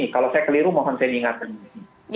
kalau saya keliru mohon saya diingatkan